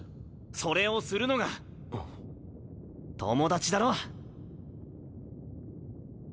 それをするのが友達だろ！